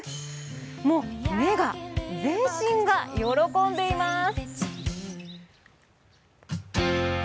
もう目が、全身が喜んでいます。